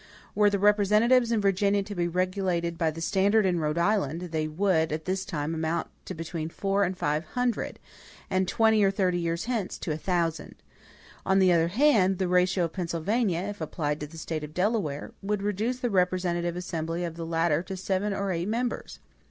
Were the representatives in Virginia to be regulated by the standard in Rhode Island, they would, at this time, amount to between four and five hundred; and twenty or thirty years hence, to a thousand. On the other hand, the ratio of Pennsylvania, if applied to the State of Delaware, would reduce the representative assembly of the latter to seven or eight members.